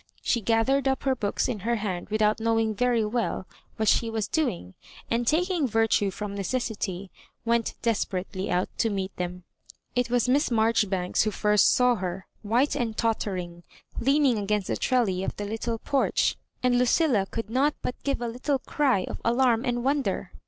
She gathered up her books in her hand without knowing very well what she was doing, and, taking virtue from necessity, went desperately out to meet them. It was Miss Marjoribanks who first saw her, white and tot tenng, leaning against the trellis of the little porch, and Lucilla could not but give a little cry of alarm and wonder.